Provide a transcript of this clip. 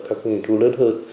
các nghiên cứu lớn hơn